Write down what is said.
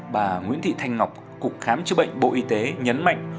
bà nguyễn thị thanh ngọc cục khám chữa bệnh bộ y tế nhấn mạnh